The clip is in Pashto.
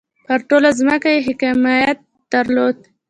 پر ټوله ځمکه یې حاکمیت درلود.